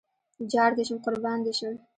جار دې شم قربان دې شم